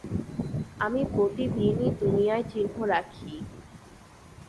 আমি প্রতিদিনই দুনিয়ায় চিহ্ন রাখি।